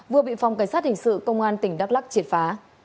vừa bị phòng cảnh sát hình sự công an tỉnh đắk lắc triệt phá